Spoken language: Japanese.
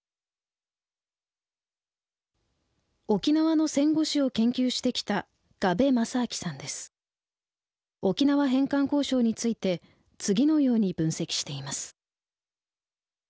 沖縄の戦後史を研究してきた沖縄返還交渉について次のように分析しています。